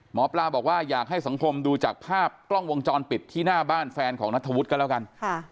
หมอปลาบอกว่าอยากให้สังคมดูจากภาพกล้องวงจรปิดที่หน้าบ้านแฟนของนัทธวุฒิก็แล้วกัน